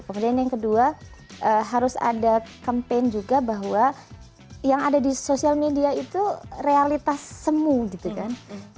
kemudian yang kedua harus ada campaign juga bahwa yang ada di sosial media itu realitas semu gitu kan